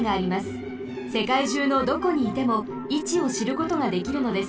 せかいじゅうのどこにいてもいちをしることができるのです。